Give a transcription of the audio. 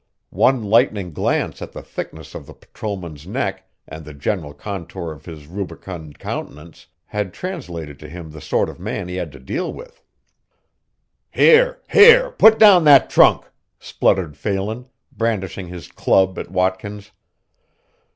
One lightning glance at the thickness of the patrolman's neck and the general contour of his rubicund countenance had translated to him the sort of man he had to deal with. "Here here put down that trunk," spluttered Phelan, brandishing his club at Watkins.